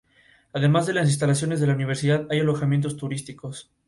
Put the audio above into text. Además de las instalaciones de la universidad, hay alojamientos turísticos.